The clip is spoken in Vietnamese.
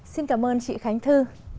xin cảm ơn chị khánh thư